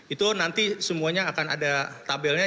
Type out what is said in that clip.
itu nanti semuanya akan ada tabelnya